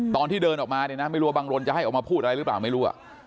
ตอนที่เดินออกมาเนี่ยนะไม่รู้ว่าบังรนจะให้ออกมาพูดอะไรหรือเปล่าไม่รู้